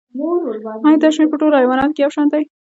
ایا دا شمیر په ټولو حیواناتو کې یو شان دی